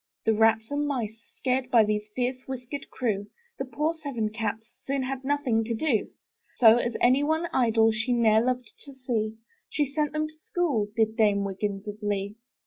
The rats and mice scared By this fierce whiskered crew, The poor seven cats Soon had nothing to do; So, as any one idle She ne'er loved to see, She sent them to school. Did Dame Wiggins of Lee.